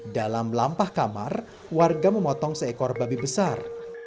dalam lampah kamar warga memotong seekor babi besar